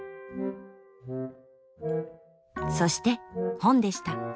そして「本」でした。